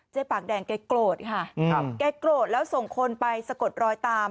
ปากแดงแกโกรธค่ะแกโกรธแล้วส่งคนไปสะกดรอยตาม